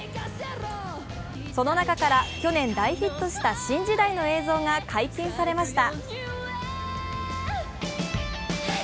その中から去年大ヒットした「新時代」の映像が解禁されました。